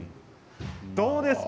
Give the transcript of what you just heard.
どうですか？